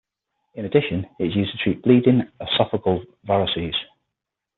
In addition, it is used to treat bleeding esophageal varices.